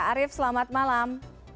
arief selamat malam